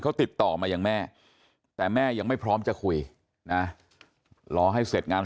เขาติดต่อมายังแม่แต่แม่ยังไม่พร้อมจะคุยนะรอให้เสร็จงาน